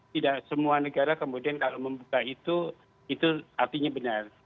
tidak semua negara kemudian kalau membuka itu itu artinya benar